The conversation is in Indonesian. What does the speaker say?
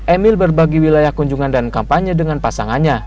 emil berbagi wilayah kunjungan dan kampanye dengan pasangannya